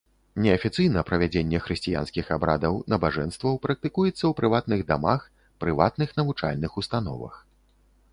Неафіцыйна правядзенне хрысціянскіх абрадаў, набажэнстваў практыкуецца ў прыватных дамах, прыватных навучальных установах.